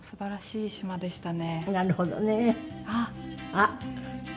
あっ。